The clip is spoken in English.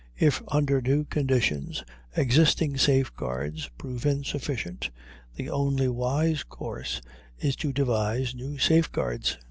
If, under new conditions, existing safeguards prove insufficient, the only wise course is to devise new safeguards.